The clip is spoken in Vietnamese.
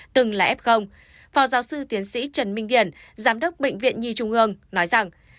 từng là f phó giáo sư tiến sĩ trần minh điển giám đốc bệnh viện nhi trung ương nói rằng